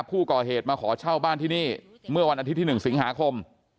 ผู้ก่อเหตุมาขอเช่าบ้านที่นี่เมื่อวันอาทิตย์ที่๑สิงหาคม